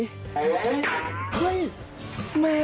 เฮ้ยแม่